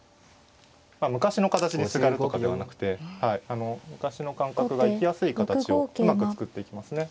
昔の形にすがるとかではなくて昔の感覚が生きやすい形をうまく作っていきますね。